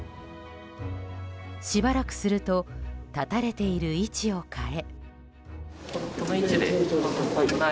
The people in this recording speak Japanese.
しばらくすると立たれている位置を変え。